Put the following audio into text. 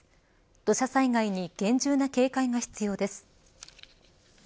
土砂災害に厳重な警戒が必要です。